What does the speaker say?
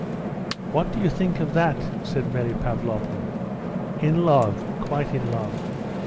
"What do you think of that?" said Mary Pavlovna. "In love quite in love.